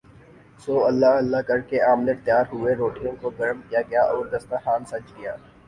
سو اللہ اللہ کر کے آملیٹ تیار ہوئے روٹیوں کو گرم کیا گیااور دستر خوان سج گیا